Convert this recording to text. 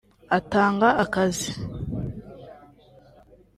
atanga akazi